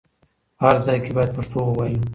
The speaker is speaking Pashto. په هر ځای کې بايد پښتو ووايو.